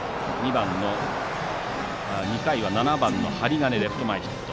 ２回は７番の針金がレフト前ヒット。